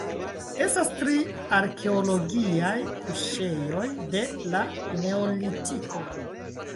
Estas tri arkeologiaj kuŝejoj de la Neolitiko.